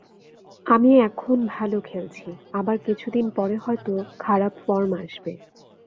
আমি এখন ভালো খেলছি, আবার কিছুদিন পরে হয়তো খারাপ ফর্ম আসবে।